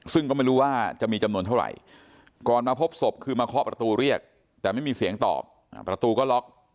ซึ่งก็ไม่รู้ว่าจะมีจำนวนเท่าไหร่ก่อนมาพบศพคือมาเคาะประตูเรียกแต่ไม่มีเสียงตอบประตูก็ล็อก